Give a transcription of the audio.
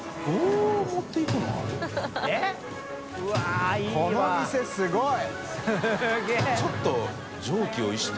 うわっすごい。